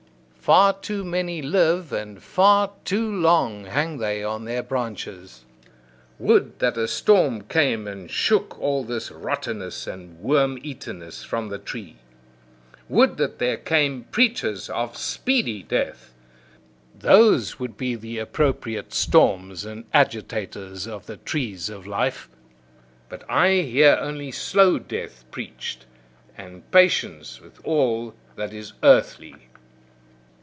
Far too many live, and far too long hang they on their branches. Would that a storm came and shook all this rottenness and worm eatenness from the tree! Would that there came preachers of SPEEDY death! Those would be the appropriate storms and agitators of the trees of life! But I hear only slow death preached, and patience with all that is "earthly."